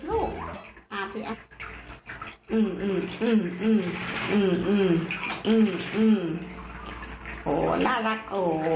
โอโหน่ารัก